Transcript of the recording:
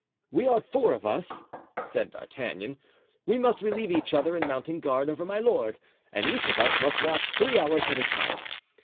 "We are four of us," said D'Artagnan; "we must relieve each other in mounting guard over my lord and each of us must watch three hours at a time.